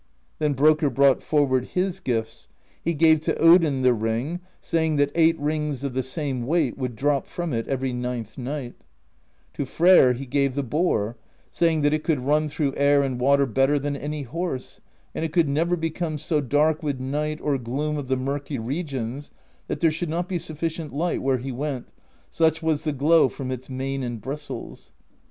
Then Brokkr brought for ward his gifts : he gave to Odin the ring, saying that eight THE POESY OF SKALDS 147 rings of the same weight would drop from it every ninth night; to Freyr he gave the boar, saying that it could run through air and water better than any horse, and it could never become so dark with night or gloom of the Murky Regions that there should not be sufficient light where he went, such was the glow from its mane and bristles.